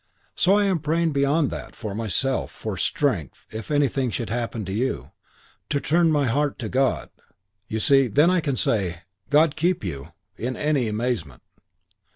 So I am praying beyond that: for myself; for strength, if anything should happen to you, to turn my heart to God. You see, then I can say, 'God keep you in any amazement.'"